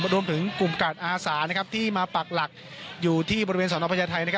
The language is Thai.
รวมถึงกลุ่มกาดอาสาที่มาปักหลักอยู่ที่บริเวณสนพญาไทย